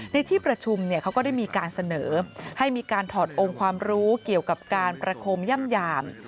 ในที่ประชุมเขาก็ได้มีการเสนอให้มีการถอดองค์ความรู้เกี่ยวกับการประคมย่ำยาม